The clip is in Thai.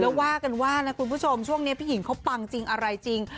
แล้วว่ากันว่านะคุณผู้ชมช่วงนี้พี่หญิงเขาปังจริงอะไรจริง